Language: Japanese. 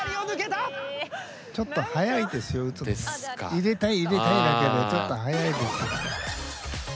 入れたい入れたいだけでちょっと早いです。